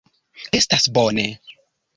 Estas bone!